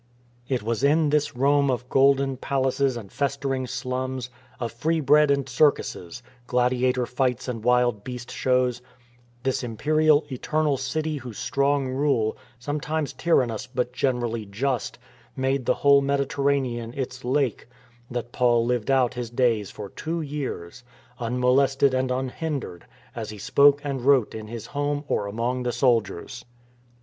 It was in this Rome of golden palaces and festering slums, of free bread and circuses, gladiator fights and wild beast shows, this Imperial Eternal City whose strong rule, sometimes tyrannous but generally just, made the whole Mediterranean its lake, that Paul lived out his days for two years, unmolested and unhindered as he spoke and wrote in his home or among the soldiers.